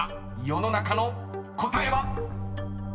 ［世の中の答えは⁉］